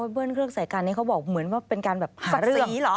เบิ้ลเครื่องใส่กันเนี่ยเขาบอกเหมือนว่าเป็นการแบบหาเรื่อง